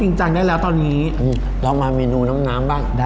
จริงจังได้แล้วตอนนี้เรามาเมนูน้ำน้ำบ้าง